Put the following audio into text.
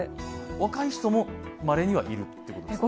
若い人も、まれにはいるっていうことですか？